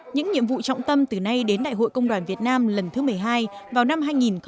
những nhiệm vụ trọng tâm từ nay đến đại hội công đoàn việt nam lần thứ một mươi hai vào năm hai nghìn hai mươi